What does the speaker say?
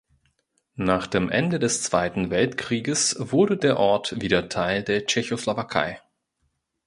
Nach dem Ende des Zweiten Weltkrieges wurde der Ort wieder Teil der Tschechoslowakei.